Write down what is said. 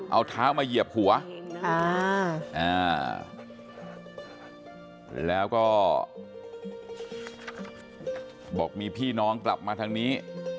เอาเท้ามาเหยียบหัวแล้วก็บอกมีพี่น้องกลับมาทางนี้